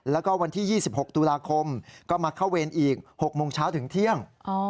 แล้วก็วันที่๒๖ตุลาคมก็มาเข้าเวรอีก๖โมงเช้าถึงเที่ยง